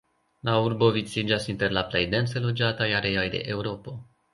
La urbo viciĝas inter la plej dense loĝataj areoj de Eŭropo.